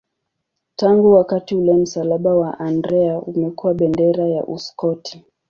Tangu wakati ule msalaba wa Andrea umekuwa bendera ya Uskoti.